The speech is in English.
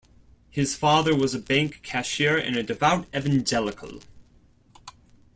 His father was a bank cashier and a devout Evangelical.